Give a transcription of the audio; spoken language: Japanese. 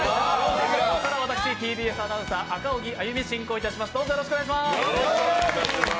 ここからは私、ＴＢＳアナウンサー赤荻歩、進行いたします。